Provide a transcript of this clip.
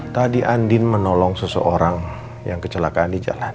tadi andin menolong seseorang yang kecelakaan di jalan